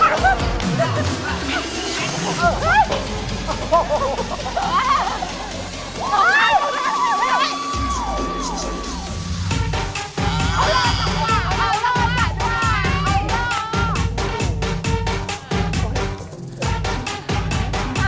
เฮ้ยค่ะเด็กแรกเหนื่อยแล้วค่ะ